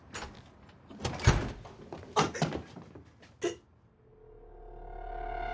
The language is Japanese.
あっえっ！